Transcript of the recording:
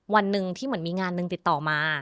วันหนึ่งที่เหมือนมีงานหนึ่งติดต่อมา